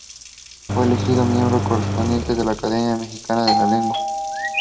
These two pieces are defined as essential for any study.